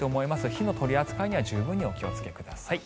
火の取り扱いには十分にお気をつけください。